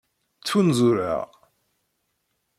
Ttfunzureɣ.